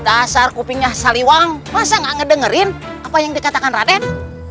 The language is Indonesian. dasar kopinya saliwang masa gak ngedengerin apa yang dikatakan raden